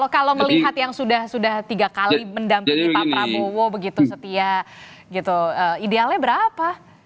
kalau melihat yang sudah tiga kali mendampingi pak prabowo begitu setia idealnya berapa